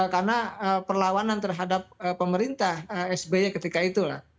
karena perlawanan terhadap pemerintah sby ketika itulah